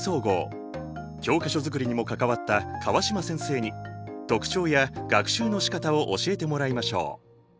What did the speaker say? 教科書作りにも関わった川島先生に特徴や学習のしかたを教えてもらいましょう。